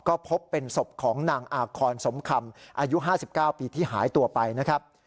ก็พบเป็นศพของนางอาคอนสมคำอายุ๕๙ปีที่หายตัวไปนะครับ